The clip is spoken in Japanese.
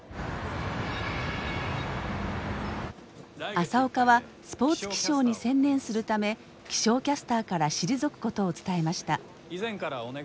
朝岡はスポーツ気象に専念するため気象キャスターから退くことを伝えました。